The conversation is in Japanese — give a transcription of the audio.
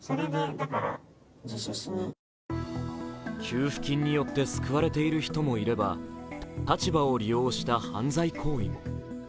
給付金によって救われている人もいれば、立場を利用した犯罪行為も。